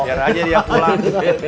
biar aja dia pulang